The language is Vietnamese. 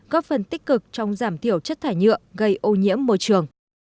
góp phần tích cực trong giảm thiểu chất thải nhựa gây ô nhiễm môi trường